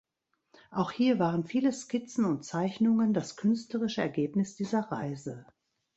Auch hier waren viele Skizzen und Zeichnungen das künstlerische Ergebnis dieser Reise.